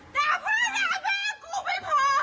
น่าพอแม่กูไม่พอ